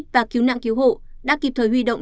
và cứu nạn cứu hộ đã kịp thời huy động